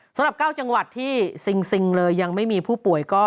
สำหรับ๙จังหวัดที่ซิงเลยยังไม่มีผู้ป่วยก็